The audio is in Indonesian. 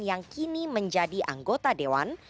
yang kini menjadi anggota dewan